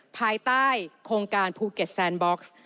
ภายใต้โครงการภูเก็ตแซนบ็อกซ์